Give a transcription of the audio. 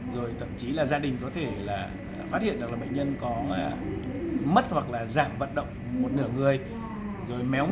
rồi thậm chí là gia đình có thể là phát hiện được là bệnh nhân có mất hoặc là giảm vận động một nửa người rồi méo